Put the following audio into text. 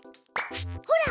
ほら！